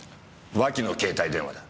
脇の携帯電話だ。